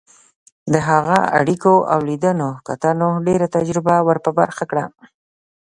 د هغه اړیکو او لیدنو کتنو ډېره تجربه ور په برخه کړه.